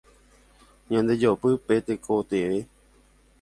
Ñandejopy pe tekotevẽ.